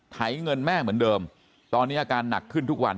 ไถเงินแม่เหมือนเดิมตอนนี้อาการหนักขึ้นทุกวัน